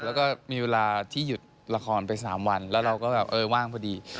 แล้วก็มีเวลาที่หยุดละครไป๓วันแล้วเราก็แบบเออว่างพอดี